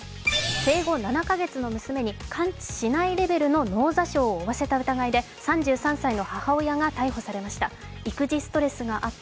生後７か月の娘に、完治しないレベルの脳挫傷を負わせた疑いで３３歳の母親が逮捕されました。